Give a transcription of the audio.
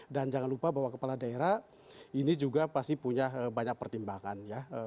dan jangan lupa bahwa kepala daerah ini juga pasti punya banyak pertimbangan ya